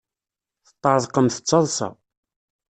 Teṭṭerḍqemt d taḍsa.